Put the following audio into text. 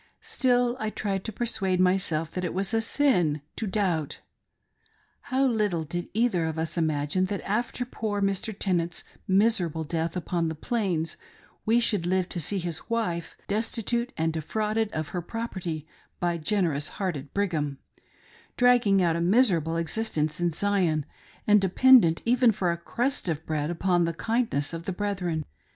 Still I tried to persuade myself that it was a sin to doubt. How little did either of us imagine that after poor Mr. Tenant's miserable death upon the Plains we should live to see his wife — destitute and defrauded of her property by generous hearted Brigham — dragging out a miserable existence in Zion, and dependent even for a crust of bread upon the kindness of the brethren.